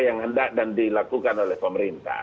yang hendak dan dilakukan oleh pemerintah